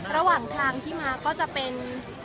ระหว่างทางที่มาก็จะเป็น